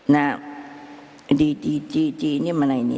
nah di di di di ini mana ini